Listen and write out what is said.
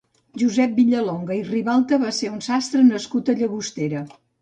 Josep Vilallonga i Ribalta va ser un sastre nascut a Llagostera.